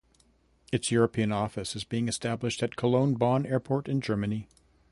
Its European office is being established at Cologne Bonn Airport in Germany.